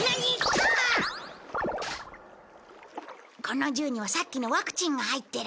この銃にはさっきのワクチンが入ってる。